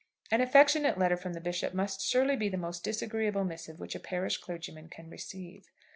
An affectionate letter from a bishop must surely be the most disagreeable missive which a parish clergyman can receive.